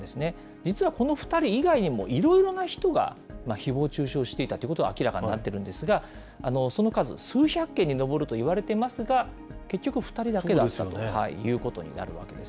実はこの２人以外にも、いろいろな人がひぼう中傷していたということが明らかになっているんですが、その数、数百件に上るといわれていますが、結局、２人だけだったということになるわけです。